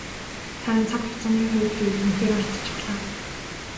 Харин цаг хугацааны хувьд гэвэл үнэхээр алдчихлаа.